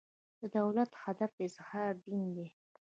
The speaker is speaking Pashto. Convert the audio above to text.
د دولت هدف اظهار دین دی.